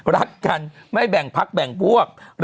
รักกันไม่แบ่งพักแบ่งพวก